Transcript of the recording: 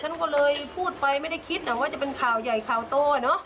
หนูก็เลยพูดไปไม่ได้คิดว่าจะเป็นข่าวใหญ่ข่าวโตเนอะ